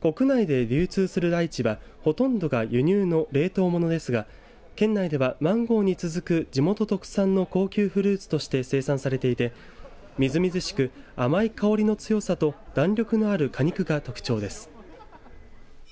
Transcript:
国内で流通するライチはほとんどが輸入の冷凍ものですが県内ではマンゴーに続く地元特産の高級フルーツとして生産されていてみずみずしく甘い香りの強さと弾力のある果肉が特徴です。